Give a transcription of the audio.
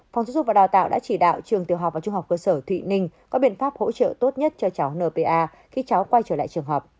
phòng giáo dục và đào tạo đã chỉ đạo trường tiểu học và trung học cơ sở thụy ninh có biện pháp hỗ trợ tốt nhất cho cháu npa khi cháu quay trở lại trường học